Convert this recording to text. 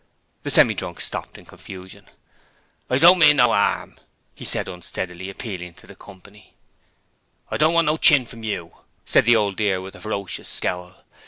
The Semi drunk stopped in confusion. 'I don't mean no 'arm,' he said unsteadily, appealing to the company. 'I don't want no chin from you!' said the Old Dear with a ferocious scowl.